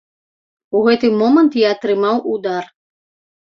У гэты момант я атрымаў удар.